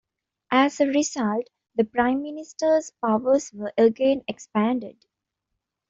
As a result, the Prime Minister's powers were again expanded.